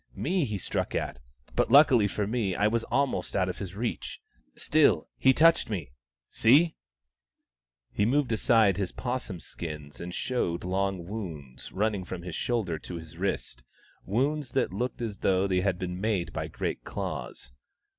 Me he struck at, but luckily for me I was almost out of his reach. Still, he touched me — see !" He moved aside his 'possum skins, and showed long wounds, running from his shoulder to his wrist — wounds that looked as though they had been made by great claws.